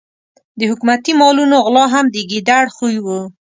د حکومتي مالونو غلا هم د ګیدړ خوی وو.